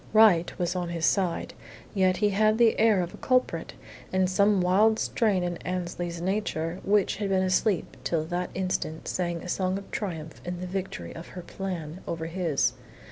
Right was on his side; yet he had the air of a culprit, and some wild strain in Annesley's nature which had been asleep till that instant sang a song of triumph in the victory of her "plan" over his.